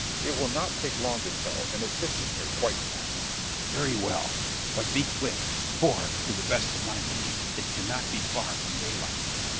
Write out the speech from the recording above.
It will not take long to tell, and it fits in here quite pat. Scip. Very well; but be quick, for, to the best of my belief, it cannot be far from daylight.